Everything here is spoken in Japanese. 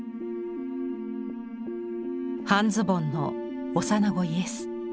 半ズボンの幼子イエス。